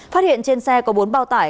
phát hiện trên xe có bốn bao tải